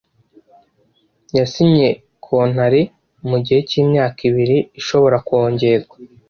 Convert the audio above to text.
yasinye kotare mugihe cy’ imyaka ibiri ishobora kongerwa.